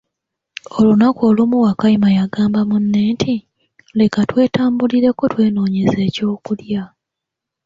Olunaku olumu Wakayima y'agamba munne nti, leka twetambulireko twenonyeze eky'okulya.